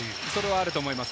あると思います。